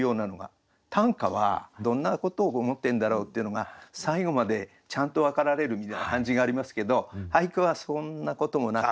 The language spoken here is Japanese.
短歌はどんなことを思ってんだろう？っていうのが最後までちゃんと分かられるみたいな感じがありますけど俳句はそんなこともなく。